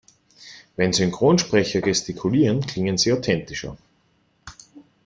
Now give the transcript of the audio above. Wenn Synchronsprecher gestikulieren, klingen sie authentischer.